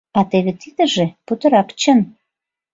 А теве тидыже путырак чын: